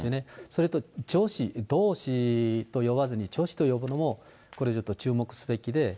それと女史、同志と呼ばずに女史と呼ぶのもこれ、ちょっと注目すべきで。